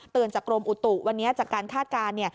จากกรมอุตุวันนี้จากการคาดการณ์